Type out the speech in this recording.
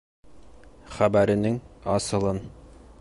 — Хәбәренең асылын...